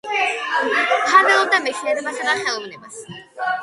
მფარველობდა მეცნიერებასა და ხელოვნებას.